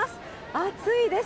暑いです。